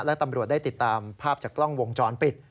และตำรวจได้ติดตามภาพจากกล้องวงจรปิด